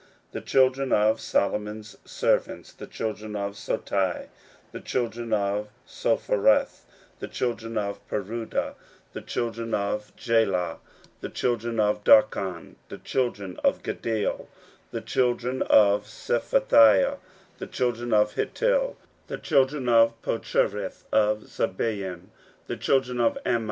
16:007:057 The children of Solomon's servants: the children of Sotai, the children of Sophereth, the children of Perida, 16:007:058 The children of Jaala, the children of Darkon, the children of Giddel, 16:007:059 The children of Shephatiah, the children of Hattil, the children of Pochereth of Zebaim, the children of Amon.